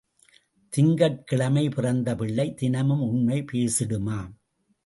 திங்கட் கிழமை பிறந்த பிள்ளை தினமும் உண்மை பேசிடுமாம்.